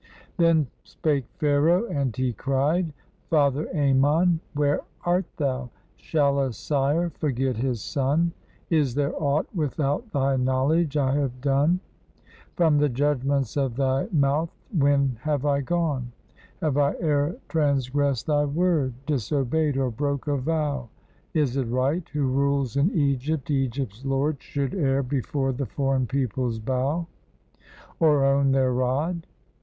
Then spake Pharaoh, and he cried: "Father Ammon, where art thou? Shall a sire forget his son? Is there aught without thy knowledge I have done? From the judgments of thy mouth when have I gone? Have I e'er transgressed thy word? Disobeyed, or broke a vow? Is it right, who rules in Egypt, Egypt's lord, Should e'er before the foreign peoples bow, Or own their rod?